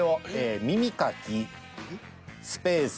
耳かきスペース。